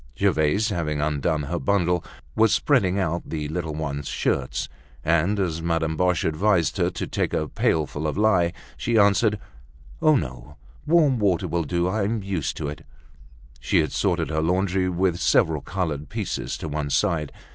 Gervaise, having undone her bundle, was spreading out the little ones' shirts, and as Madame Boche advised her to take a pailful of lye, she answered, "Oh, no! warm water will do. I'm used to it." She had sorted her laundry with several colored pieces to one side.